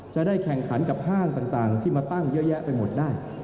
จะได้แข่งขันกับห้างต่างที่มาตั้งเยอะแยะไปหมดได้